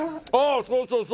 あそうそうそう。